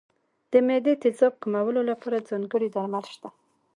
د معدې تېزاب کمولو لپاره ځانګړي درمل شته.